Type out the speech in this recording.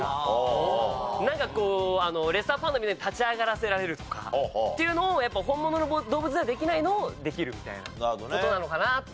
なんかこうレッサーパンダみたいに立ち上がらせられるとかっていうのをやっぱ本物の動物ではできないのをできるみたいな事なのかなって思って。